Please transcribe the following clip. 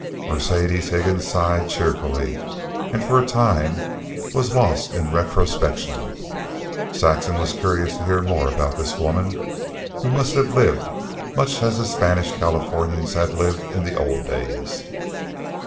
Mercedes Higgins sighed cheerfully and for the time was lost in retrospection. Saxon was curious to hear more about this woman who must have lived much as the Spanish Californians had lived in the old days.